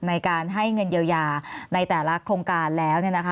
ในการให้เงินเยียวยาในแต่ละโครงการแล้ว